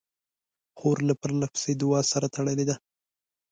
خور له پرله پسې دعا سره تړلې ده.